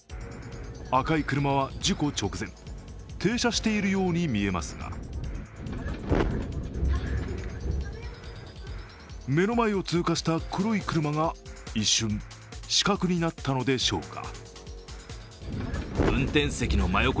赤い車は事故直前、停車しているように見えますが目の前を通過した黒い車が一瞬、死角になったのでしょうか。